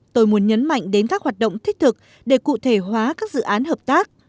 tôi muốn nhấn mạnh đến các hoạt động thiết thực để cụ thể hóa các dự án hợp tác